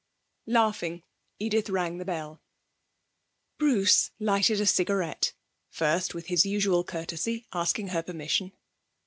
Laughing, Edith rang the bell. Bruce lighted a cigarette, first, with his usual courtesy, asking her permission.